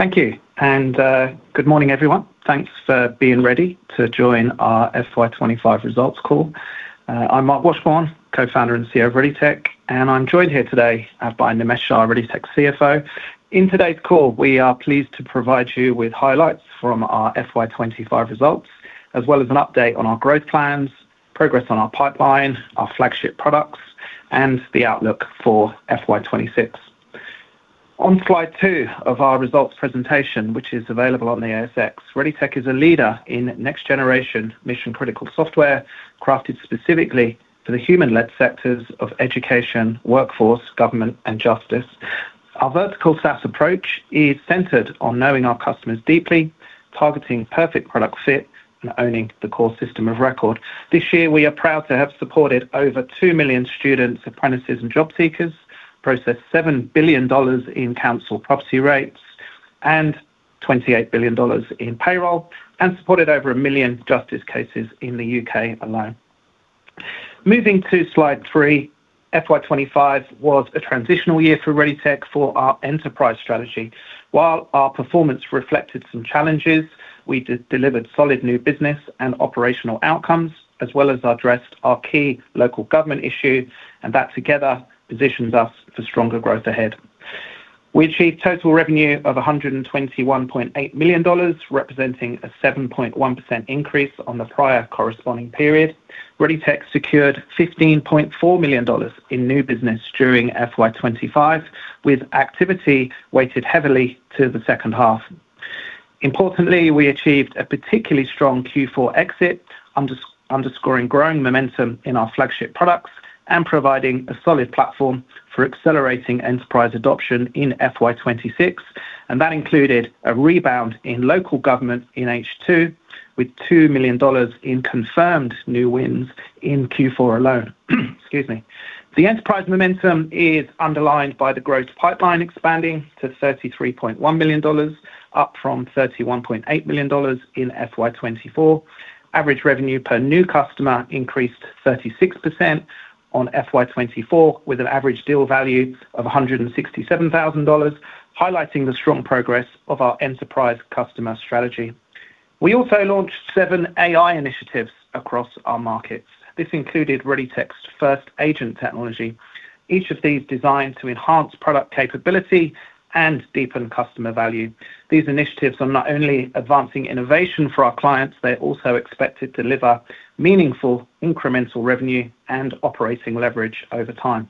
Thank you. Good morning, everyone. Thanks for being ready to join our FY 2025 Results Call. I'm Marc Washbourne, Co-Founder and CEO of ReadyTech, and I'm joined here today by Nimesh Shah, ReadyTech's CFO. In today's call, we are pleased to provide you with highlights from our FY 2025 results, as well as an update on our growth plans, progress on our pipeline, our flagship products, and the outlook for FY 2026. On slide two of our results presentation, which is available on the ASX, ReadyTech is a leader in next-generation mission-critical software crafted specifically for the human-led sectors of education, workforce, government, and justice. Our vertical SaaS approach is centered on knowing our customers deeply, targeting perfect product fit, and owning the core system of record. This year, we are proud to have supported over 2 million students, apprentices, and job seekers, processed $7 billion in council property rates, $28 billion in payroll, and supported over a million justice cases in the U.K. alone. Moving to slide three, FY 2025 was a transitional year for ReadyTech for our enterprise strategy. While our performance reflected some challenges, we delivered solid new business and operational outcomes, as well as addressed our key local government issue, and that together positioned us for stronger growth ahead. We achieved total revenue of $121.8 million, representing a 7.1% increase on the prior corresponding period. ReadyTech secured $15.4 million in new business during FY 2025, with activity weighted heavily to the second half. Importantly, we achieved a particularly strong Q4 exit, underscoring growing momentum in our flagship products and providing a solid platform for accelerating enterprise adoption in FY 2026. That included a rebound in local government in H2, with $2 million in confirmed new wins in Q4 alone. The enterprise momentum is underlined by the growth pipeline expanding to $33.1 million, up from $31.8 million in FY 2024. Average revenue per new customer increased 36% on FY 2024, with an average deal value of $167,000, highlighting the strong progress of our enterprise customer strategy. We also launched seven AI initiatives across our markets. This included ReadyTech's first agent technology, each of these designed to enhance product capability and deepen customer value. These initiatives are not only advancing innovation for our clients, they're also expected to deliver meaningful incremental revenue and operating leverage over time.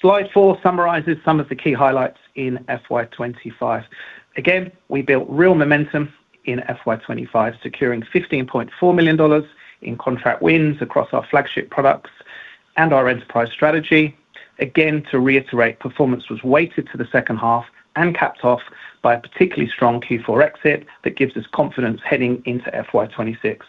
Slide four summarizes some of the key highlights in FY 2025. Again, we built real momentum in FY 2025, securing $15.4 million in contract wins across our flagship products and our enterprise strategy. To reiterate, performance was weighted to the second half and capped off by a particularly strong Q4 exit that gives us confidence heading into FY 2026.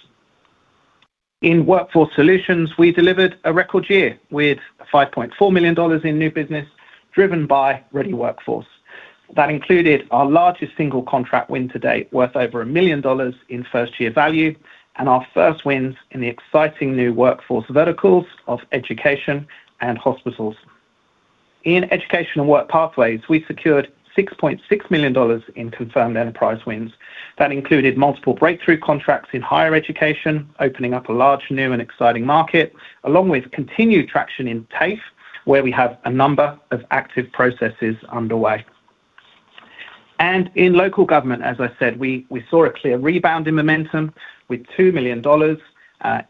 In workforce solutions, we delivered a record year with $5.4 million in new business, driven by Ready Workforce. That included our largest single contract win to date, worth over $1 million in first-year value, and our first wins in the exciting new workforce verticals of education and hospitals. In education and work pathways, we secured $6.6 million in confirmed enterprise wins. That included multiple breakthrough contracts in higher education, opening up a large new and exciting market, along with continued traction in TAFE, where we have a number of active processes underway. In local government, as I said, we saw a clear rebound in momentum with $2 million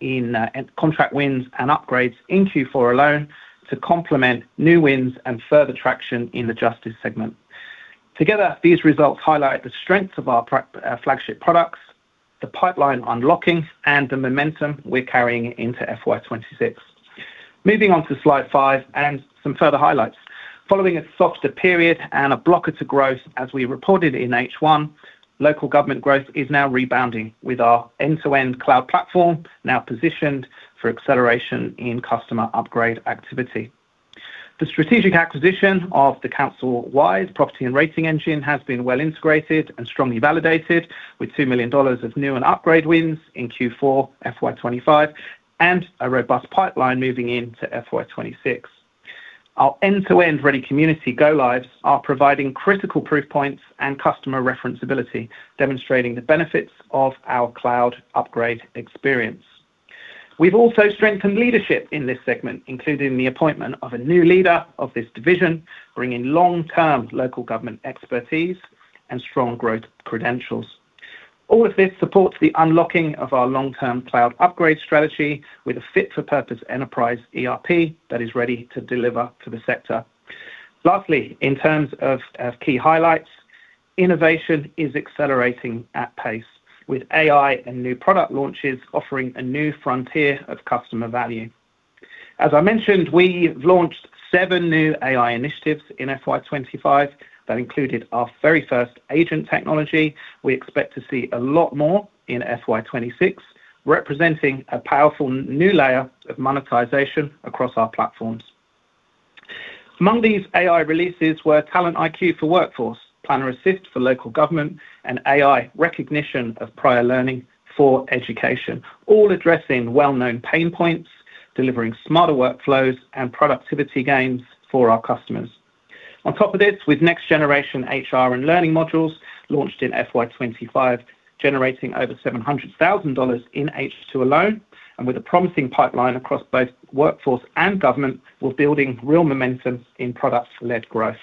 in contract wins and upgrades in Q4 alone to complement new wins and further traction in the justice segment. Together, these results highlight the strengths of our flagship products, the pipeline unlocking, and the momentum we're carrying into FY 2026. Moving on to slide five and some further highlights. Following a softer period and a blocker to growth, as we reported in H1, local government growth is now rebounding with our end-to-end cloud platform now positioned for acceleration in customer upgrade activity. The strategic acquisition of the CouncilWise Property and Rating Engine has been well integrated and strongly validated, with $2 million of new and upgrade wins in Q4, FY 2025, and a robust pipeline moving into FY 2026. Our end-to-end Ready Community Go lives are providing critical proof points and customer referenceability, demonstrating the benefits of our cloud upgrade experience. We've also strengthened leadership in this segment, including the appointment of a new leader of this division, bringing long-term local government expertise and strong growth credentials. All of this supports the unlocking of our long-term cloud upgrade strategy with a fit-for-purpose enterprise ERP that is ready to deliver to the sector. Lastly, in terms of key highlights, innovation is accelerating at pace, with AI and new product launches offering a new frontier of customer value. As I mentioned, we've launched seven new AI initiatives in FY 2025 that included our very first agent technology. We expect to see a lot more in FY 2026, representing a powerful new layer of monetization across our platforms. Among these AI releases were Talent IQ for Workforce, Planner Assist for Local Government, and AI Recognition of Prior Learning for Education, all addressing well-known pain points, delivering smarter workflows and productivity gains for our customers. On top of this, with next-generation HR and learning modules launched in FY 2025, generating over $700,000 in H2 alone, and with a promising pipeline across both workforce and government, we're building real momentum in product-led growth.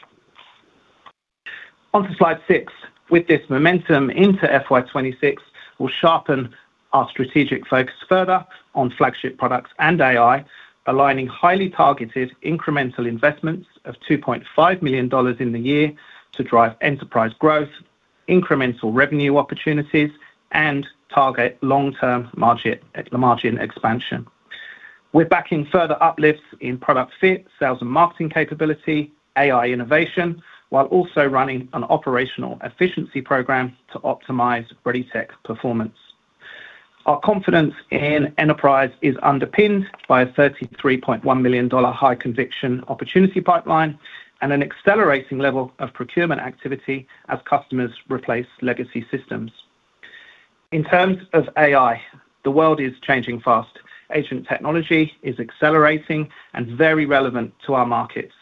Onto slide six. With this momentum into FY 2026, we'll sharpen our strategic focus further on flagship products and AI, aligning highly targeted incremental investments of $2.5 million in the year to drive enterprise growth, incremental revenue opportunities, and target long-term margin expansion. We're backing further uplifts in product fit, sales and marketing capability, AI innovation, while also running an operational efficiency program to optimize ReadyTech performance. Our confidence in enterprise is underpinned by a $33.1 million high-conviction opportunity pipeline and an accelerating level of procurement activity as customers replace legacy systems. In terms of AI, the world is changing fast. Agent technology is accelerating and very relevant to our markets.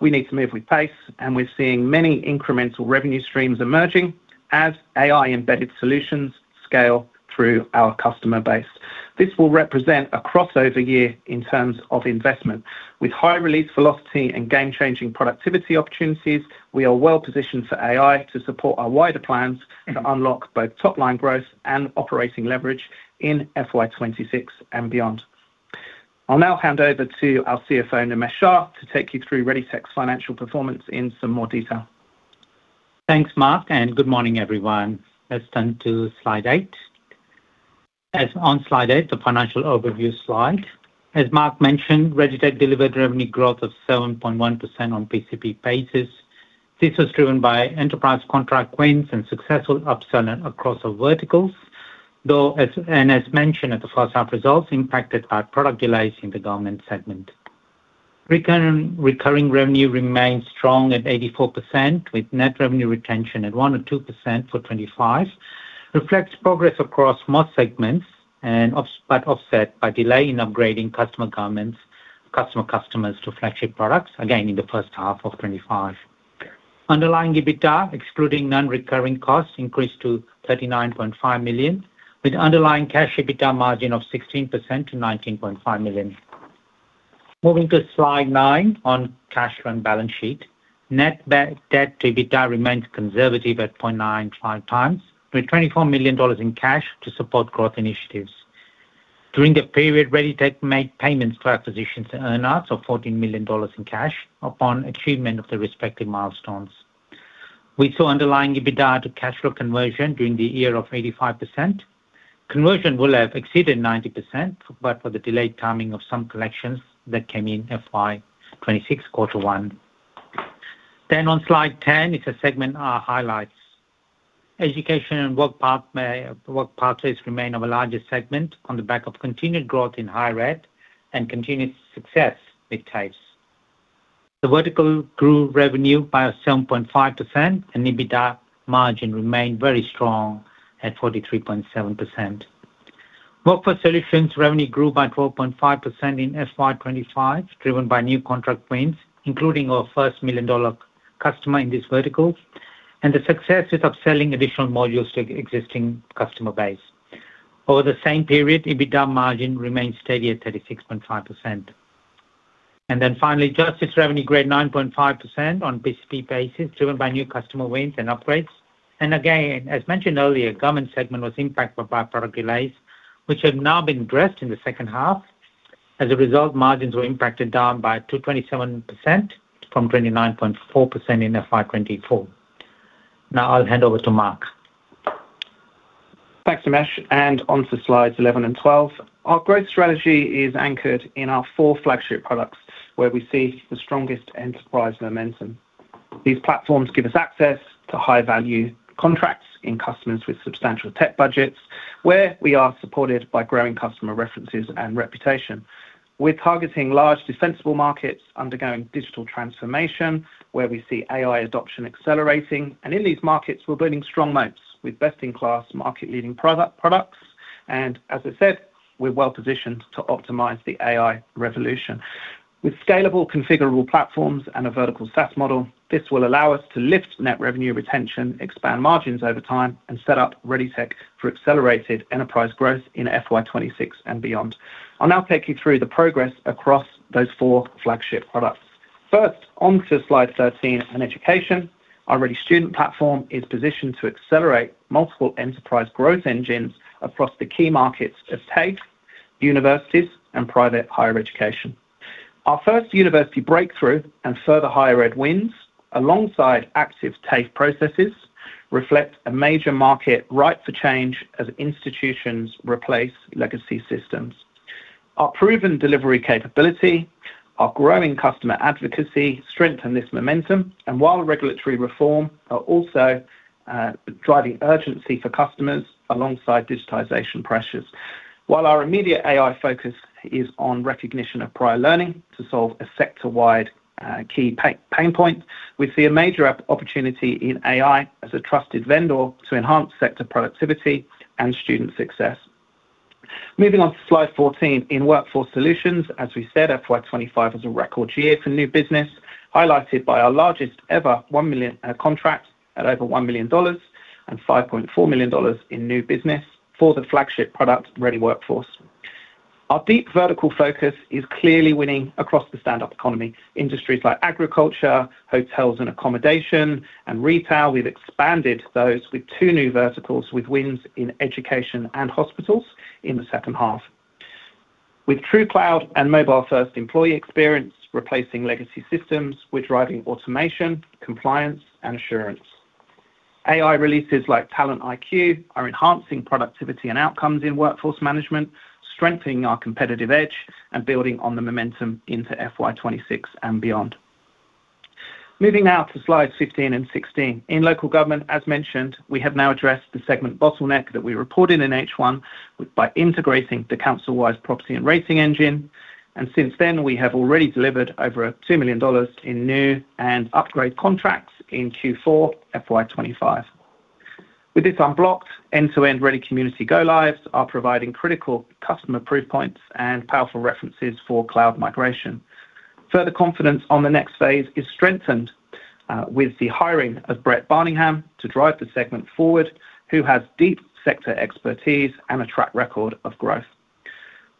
We need to move with pace, and we're seeing many incremental revenue streams emerging as AI-embedded solutions scale through our customer base. This will represent a crossover year in terms of investment. With high release velocity and game-changing productivity opportunities, we are well positioned for AI to support our wider plans to unlock both top-line growth and operating leverage in FY 2026 and beyond. I'll now hand over to our CFO, Nimesh Shah, to take you through ReadyTech's financial performance in some more detail. Thanks, Marc, and good morning, everyone. Let's turn to slide eight. As on slide eight, the financial overview slide. As Marc mentioned, ReadyTech delivered revenue growth of 7.1% on a PCB basis. This was driven by enterprise contract wins and successful upsell across our verticals, though, and as mentioned at the first half results, impacted by product delays in the government segment. Recurring revenue remains strong at 84%, with net revenue retention at 1% or 2% for 2025, reflects progress across most segments but offset by delay in upgrading customers to flagship products, again in the first half of 2025. Underlying EBITDA excluding non-recurring costs increased to $39.5 million, with underlying cash EBITDA margin of 16% to $19.5 million. Moving to slide nine on cash run balance sheet, net debt to EBITDA remains conservative at 0.95x, with $24 million in cash to support growth initiatives. During the period, ReadyTech made payments to acquisitions and earnouts of $14 million in cash upon achievement of their respective milestones. We saw underlying EBITDA to cash flow conversion during the year of 85%. Conversion would have exceeded 90%, but for the delayed timing of some collections that came in FY 2026, quarter one. On slide 10, it's segment highlights. Education and work pathways remain our largest segment on the back of continued growth in higher ed and continued success with TAFE. The vertical grew revenue by 7.5%, and EBITDA margin remained very strong at 43.7%. Workforce solutions revenue grew by 12.5% in 2025, driven by new contract wins, including our first million-dollar customer in this vertical, and the success with upselling additional modules to existing customer base. Over the same period, EBITDA margin remained steady at 36.5%. Justice revenue grew at 9.5% on a PCB basis, driven by new customer wins and upgrades. As mentioned earlier, the government segment was impacted by product delays, which have now been addressed in the second half. As a result, margins were impacted down by 227 bps from 29.4% in 2024. Now I'll hand over to Marc. Thanks, Nimesh. On to slides 11 and 12. Our growth strategy is anchored in our four flagship products, where we see the strongest enterprise momentum. These platforms give us access to high-value contracts in customers with substantial tech budgets, where we are supported by growing customer references and reputation. We're targeting large defensible markets undergoing digital transformation, where we see AI adoption accelerating. In these markets, we're building strong moats with best-in-class market-leading products. As I said, we're well-positioned to optimize the AI revolution. With scalable, configurable platforms and a vertical SaaS model, this will allow us to lift net revenue retention, expand margins over time, and set up ReadyTech for accelerated enterprise growth in FY 2026 and beyond. I'll now take you through the progress across those four flagship products. First, on to slide 13 and education. Our Ready Student platform is positioned to accelerate multiple enterprise growth engines across the key markets of TAFE, universities, and private higher education. Our first university breakthrough and further higher ed wins, alongside active TAFE processes, reflect a major market ripe for change as institutions replace legacy systems. Our proven delivery capability and our growing customer advocacy strengthen this momentum, while regulatory reform is also driving urgency for customers alongside digitization pressures. While our immediate AI focus is on AI Recognition of Prior Learning to solve a sector-wide key pain point, we see a major opportunity in AI as a trusted vendor to enhance sector productivity and student success. Moving on to slide 14 in workforce solutions. As we said, FY 2025 was a record year for new business, highlighted by our largest ever contract at over $1 million and $5.4 million in new business for the flagship product Ready Workforce. Our deep vertical focus is clearly winning across the stand-up economy, industries like agriculture, hotels and accommodation, and retail. We've expanded those with two new verticals with wins in education and hospitals in the second half. With true cloud and mobile-first employee experience replacing legacy systems, we're driving automation, compliance, and assurance. AI releases like Talent IQ are enhancing productivity and outcomes in workforce management, strengthening our competitive edge and building on the momentum into FY 2026 and beyond. Moving now to slides 15 and 16. In local government, as mentioned, we have now addressed the segment bottleneck that we reported in H1 by integrating the CouncilWise Property and Rating Engine. Since then, we have already delivered over $2 million in new and upgrade contracts in Q4 FY 2025. With this unblocked, end-to-end Ready Community go-lives are providing critical customer proof points and powerful references for cloud migration. Further confidence on the next phase is strengthened with the hiring of Brett Barningham to drive the segment forward, who has deep sector expertise and a track record of growth.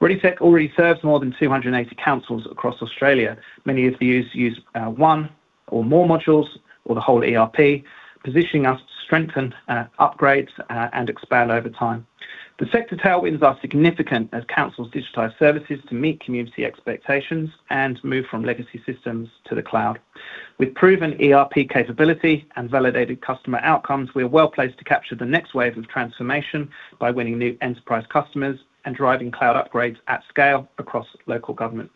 ReadyTech already serves more than 280 councils across Australia. Many of these use one or more modules or the whole ERP, positioning us to strengthen upgrades and expand over time. The sector tailwinds are significant as councils digitize services to meet community expectations and move from legacy systems to the cloud. With proven ERP capability and validated customer outcomes, we are well placed to capture the next wave of transformation by winning new enterprise customers and driving cloud upgrades at scale across local government.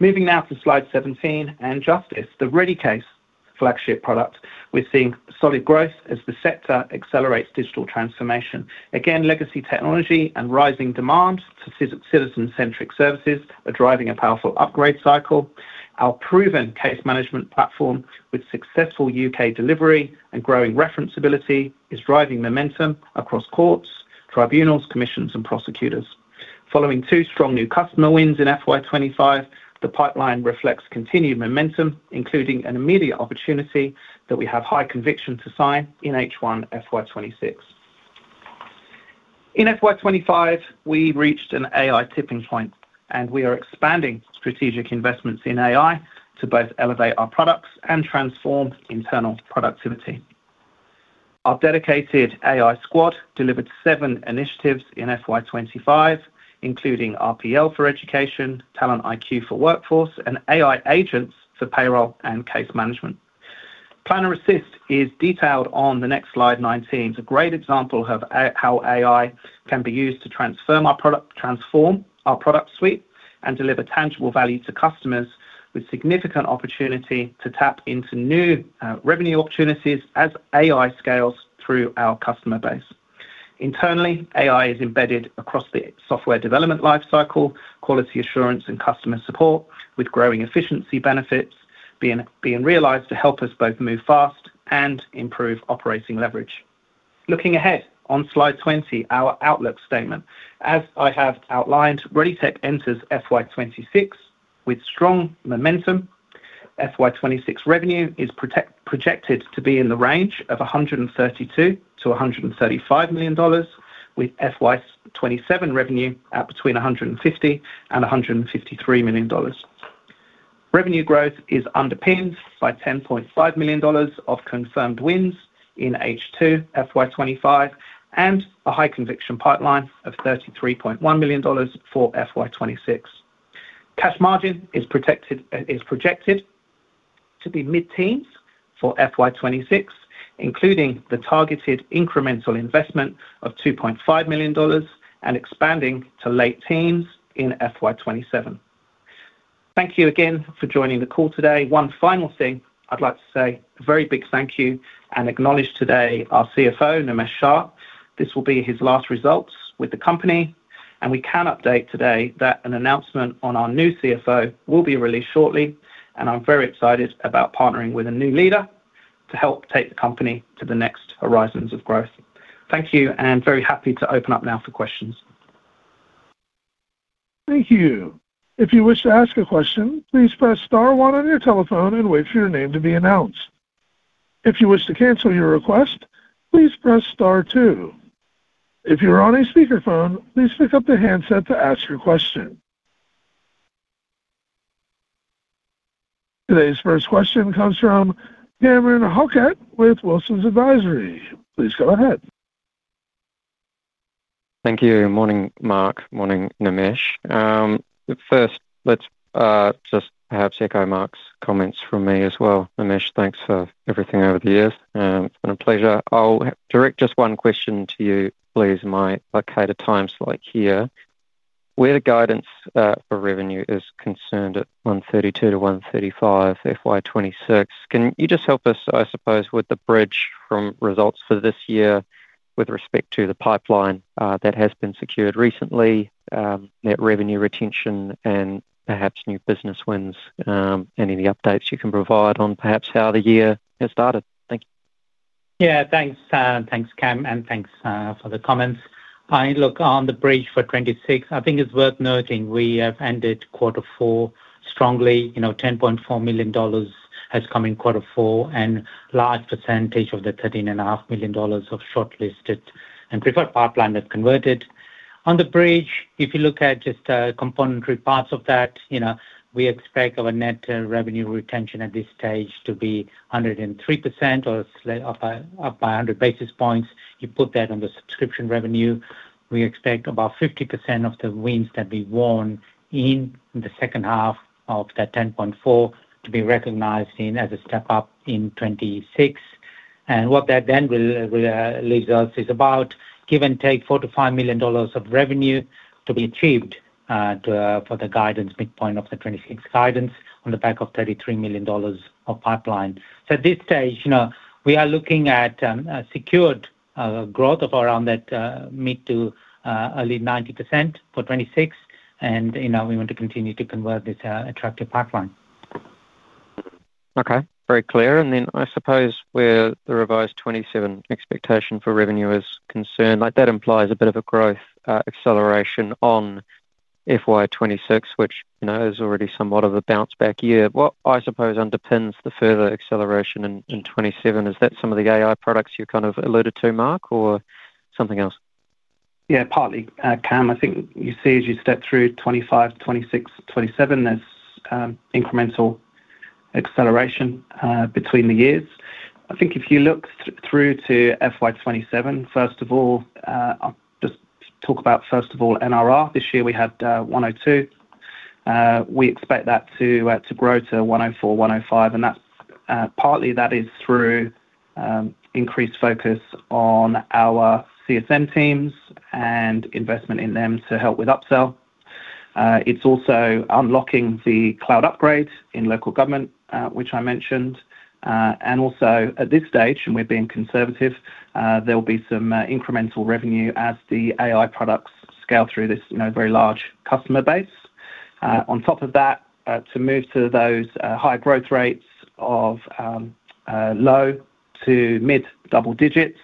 Moving now to slide 17 and justice, the Ready Case flagship product. We're seeing solid growth as the sector accelerates digital transformation. Legacy technology and rising demand for citizen-centric services are driving a powerful upgrade cycle. Our proven case management platform with successful U.K. delivery and growing referenceability is driving momentum across courts, tribunals, commissions, and prosecutors. Following two strong new customer wins in FY 2025, the pipeline reflects continued momentum, including an immediate opportunity that we have high conviction to sign in H1 FY 2026. In FY 2025, we reached an AI tipping point, and we are expanding strategic investments in AI to both elevate our products and transform internal productivity. Our dedicated AI squad delivered seven initiatives in FY 2025, including RPL for education, Talent IQ for workforce, and AI agents for payroll and case management. Planner Assist is detailed on the next slide 19. It's a great example of how AI can be used to transform our product suite and deliver tangible value to customers, with significant opportunity to tap into new revenue opportunities as AI scales through our customer base. Internally, AI is embedded across the software development lifecycle, quality assurance, and customer support, with growing efficiency benefits being realized to help us both move fast and improve operating leverage. Looking ahead on slide 20, our outlook statement. As I have outlined, ReadyTech enters FY 2026 with strong momentum. FY 2026 revenue is projected to be in the range of $132 million-$135 million, with FY 2027 revenue at between $150 million-$153 million. Revenue growth is underpinned by $10.5 million of confirmed wins in H2 FY 2025 and a high-conviction pipeline of $33.1 million for FY 2026. Cash margin is projected to be mid-teens for FY 2026, including the targeted incremental investment of $2.5 million and expanding to late teens in FY 2027. Thank you again for joining the call today. One final thing I'd like to say, a very big thank you and acknowledge today our CFO, Nimesh Shah. This will be his last results with the company, and we can update today that an announcement on our new CFO will be released shortly. I'm very excited about partnering with a new leader to help take the company to the next horizons of growth. Thank you, and very happy to open up now for questions. Thank you. If you wish to ask a question, please press star one on your telephone and wait for your name to be announced. If you wish to cancel your request, please press star two. If you're on a speakerphone, please pick up the handset to ask your question. Today's first question comes from Cameron Halkett with Wilsons Advisory. Please go ahead. Thank you. Morning, Marc. Morning, Nimesh. First, let's just perhaps echo Marc's comments from me as well. Nimesh, thanks for everything over the years. A pleasure. I'll direct just one question to you, please, my locator time slot here. Where the guidance for revenue is concerned at $132 million-$135 million for FY 2026, can you just help us, I suppose, with the bridge from results for this year with respect to the pipeline that has been secured recently, that revenue retention, and perhaps new business wins, any of the updates you can provide on perhaps how the year has started? Thank you. Yeah, thanks, Sam. Thanks, Cam, and thanks for the comments. I look on the bridge for 2026. I think it's worth noting we have ended quarter four strongly. You know, $10.4 million has come in quarter four and a large percentage of the $13.5 million of shortlisted and preferred pipeline that converted. On the bridge, if you look at just the component parts of that, you know, we expect our net revenue retention at this stage to be 103% or up by 100 basis points. You put that on the subscription revenue. We expect about 50% of the wins that we won in the second half of that $10.4 million to be recognized as a step up in 2026. What that then leaves us is about, give and take, $4 million-$5 million of revenue to be achieved for the guidance midpoint of the 2026 guidance on the back of $33 million of pipeline. At this stage, you know, we are looking at secured growth of around that mid to early 90% for 2026, and you know, we want to continue to convert this attractive pipeline. OK, very clear. I suppose where the revised 2027 expectation for revenue is concerned, that implies a bit of a growth acceleration on FY 2026, which is already somewhat of a bounce-back year. What I suppose underpins the further acceleration in 2027 is that some of the AI products you kind of alluded to, Marc, or something else? Yeah, partly, Cam. I think you see, as you step through 2025 to 2026, 2027, there's incremental acceleration between the years. I think if you look through to FY 2027, first of all, I'll just talk about, first of all, NRR. This year, we had 102. We expect that to grow to 104, 105. That's partly through increased focus on our CSM teams and investment in them to help with upsell. It's also unlocking the cloud upgrades in local government, which I mentioned. At this stage, and we're being conservative, there will be some incremental revenue as the AI products scale through this very large customer base. On top of that, to move to those high growth rates of low to mid double digits,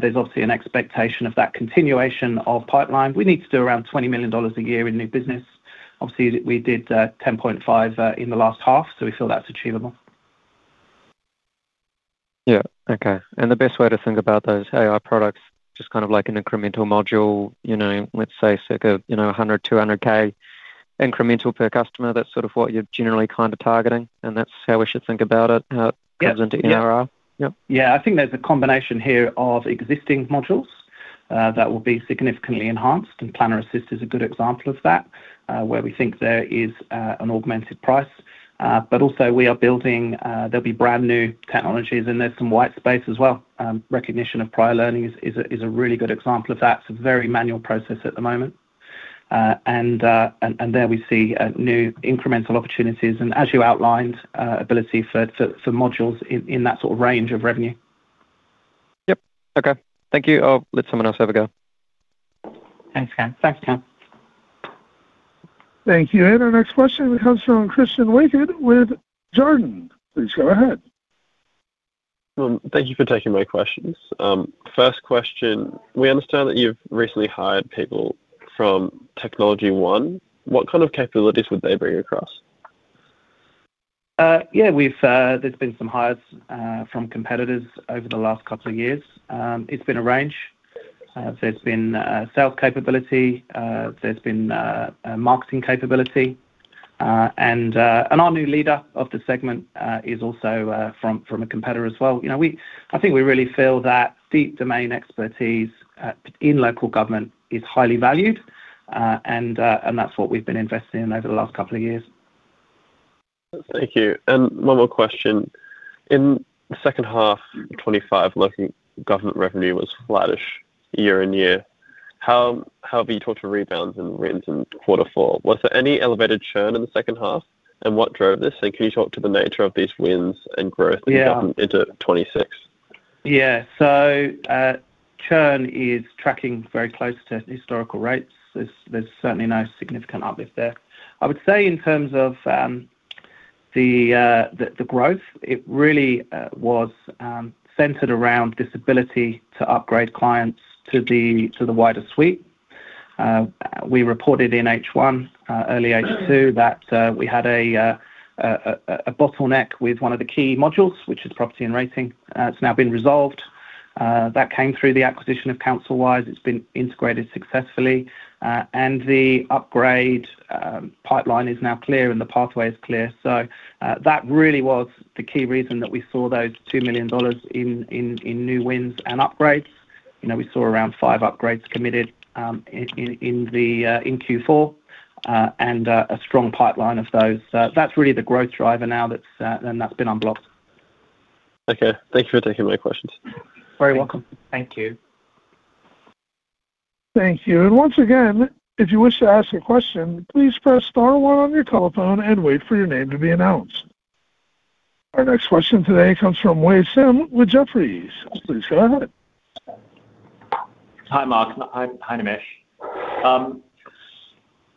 there's obviously an expectation of that continuation of pipeline. We need to do around $20 million a year in new business. We did $10.5 million in the last half, so we feel that's achievable. OK. The best way to think about those AI products is just kind of like an incremental module, you know, let's say circa $100,000, $200,000 incremental per customer. That's sort of what you're generally kind of targeting, and that's how we should think about it, how it comes into NRR. Yeah, I think there's a combination here of existing modules that will be significantly enhanced. Planner Assist is a good example of that, where we think there is an augmented price. We are building, there'll be brand new technologies in this, some white space as well. AI Recognition of Prior Learning is a really good example of that. It's a very manual process at the moment. There we see new incremental opportunities and, as you outlined, ability for modules in that sort of range of revenue. Yep, OK. Thank you. I'll let someone else have a go. Thanks, Cam. Thanks, Cam. Thank you. Our next question comes from [Christian Lincoln with Jarden]. Please go ahead. Thank you for taking my questions. First question, we understand that you've recently hired people from Technology One. What kind of capabilities would they bring across? Yeah, there's been some hires from competitors over the last couple of years. It's been a range. There's been a sales capability, a marketing capability, and our new leader of the segment is also from a competitor as well. I think we really feel that deep domain expertise in local government is highly valued, and that's what we've been investing in over the last couple of years. Thank you. One more question. In the second half, 2025, local government revenue was flattish year on year. How have you talked to rebounds and wins in quarter four? Was there any elevated churn in the second half? What drove this? Can you talk to the nature of these wins and growth in Q1 to 2026? Yeah, churn is tracking very close to historical rates. There's certainly no significant uplift there. I would say in terms of the growth, it really was centered around this ability to upgrade clients to the wider suite. We reported in H1, early H2, that we had a bottleneck with one of the key modules, which is property and rating. It's now been resolved. That came through the acquisition of CouncilWise. It's been integrated successfully, and the upgrade pipeline is now clear, and the pathway is clear. That really was the key reason that we saw those $2 million in new wins and upgrades. We saw around five upgrades committed in Q4 and a strong pipeline of those. That's really the growth driver now, and that's been unblocked. OK, thank you for taking my questions. Very welcome. Thank you. Thank you. If you wish to ask a question, please press star one on your telephone and wait for your name to be announced. Our next question today comes from Wei Sim with Jefferies. Please go ahead. Hi, Marc. Hi, Nimesh.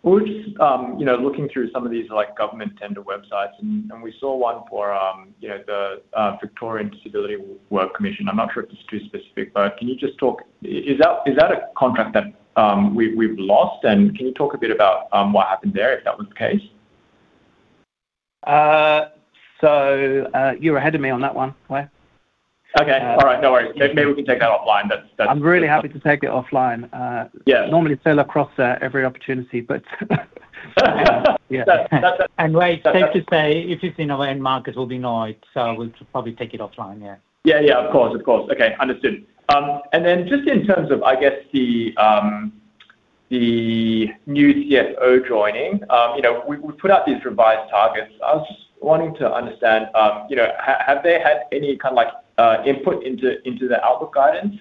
We're just looking through some of these government tender websites, and we saw one for the Victorian Disability Work Commission. I'm not sure if this is too specific, but can you just talk? Is that a contract that we've lost? Can you talk a bit about what happened there if that was the case? You're ahead of me on that one, Wei? OK, all right. No worries. Maybe we can take that offline. I'm really happy to take it offline. Normally sail across every opportunity, but. Yeah. Wei, safe to say, if it's in our end market, it will be night. We'll probably take it offline, yeah. OK, understood. In terms of the new CFO joining, we put out these revised targets. I was just wanting to understand, have they had any kind of input into the outlook guidance?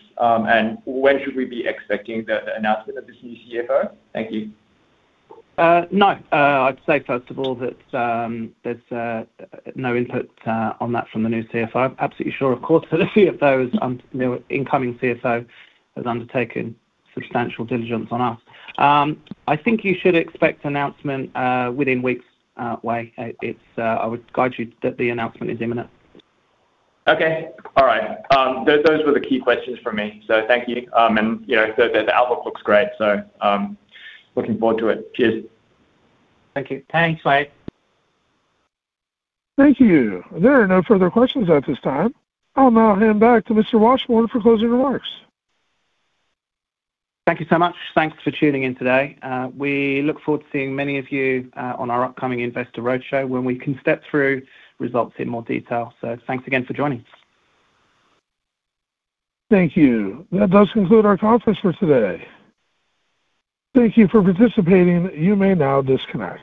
When should we be expecting the announcement of this new CFO? Thank you. No, I'd say, first of all, that there's no input on that from the new CFO. I'm absolutely sure, of course, that if he had known as an incoming CFO, he would have undertaken substantial diligence on us. I think you should expect the announcement within weeks, Wei. I would guide you that the announcement is imminent. All right. Those were the key questions for me. Thank you. The outlook looks great. Looking forward to it. Cheers. Thank you. Thanks, Wei. Thank you. There are no further questions at this time. I'll now hand back to Mr. Washbourne for closing remarks. Thank you so much. Thanks for tuning in today. We look forward to seeing many of you on our upcoming Investor Roadshow when we can step through results in more detail. Thanks again for joining us. Thank you. That does conclude our topics for today. Thank you for participating. You may now disconnect.